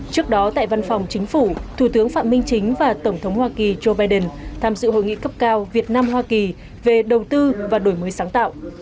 trước đó tại văn phòng chính phủ thủ tướng phạm minh chính và tổng thống hoa kỳ joe biden tham dự hội nghị cấp cao việt nam hoa kỳ về đầu tư và đổi mới sáng tạo